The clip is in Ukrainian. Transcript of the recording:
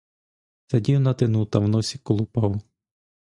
Сидів на тину та в носі колупав.